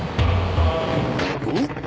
おっ。